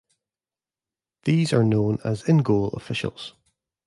These are known as "in-goal" officials.